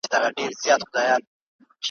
زما یقین دی چي پر خپل خالق به ګران یو ,